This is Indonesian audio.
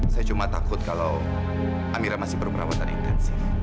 saya cuma takut kalau amira masih perlu perawatan intensif